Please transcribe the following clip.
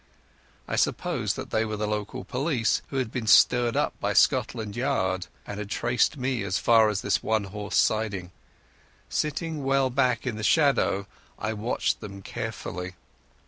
I supposed that they were the local police, who had been stirred up by Scotland Yard, and had traced me as far as this one horse siding. Sitting well back in the shadow I watched them carefully.